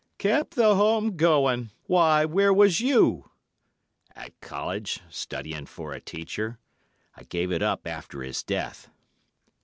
"'Kept the home going! Why, where was you?' "'At College, studying for a teacher. I gave it up after his death.